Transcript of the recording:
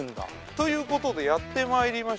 という事でやって参りました。